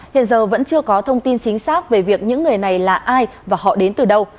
hiện giờ vẫn chưa có thông tin chính xác về việc những người này là ai và họ đến từ đâu